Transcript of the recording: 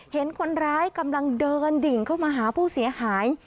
เห็นคนร้ายกำลังเดินดิ่งเข้ามาหาผู้เสียหาย